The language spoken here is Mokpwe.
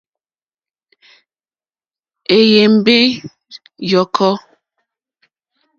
Èyémbé ǃyɔ́kɔ́.